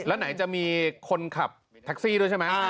แล้วไหนจะมีคนขับแท็กซี่ด้วยใช่ไหม